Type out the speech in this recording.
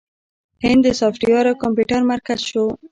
هند د سافټویر او کمپیوټر مرکز شو.